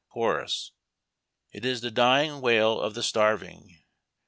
Chorus:— It is the dying wail of the starving.